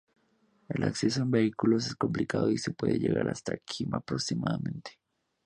El acceso en vehículo es complicado y se puede llegar hasta un km aproximadamente.